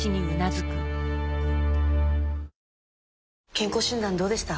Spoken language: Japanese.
健康診断どうでした？